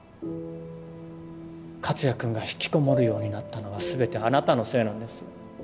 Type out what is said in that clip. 克哉君が引きこもるようになったのは全てあなたのせいなんです。